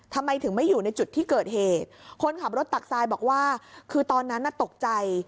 ทำไมถึงไม่อยู่ในจุดที่เกิดเหตุคนขับรถตักทรายบอกว่าคือตอนนั้นน่ะตกใจ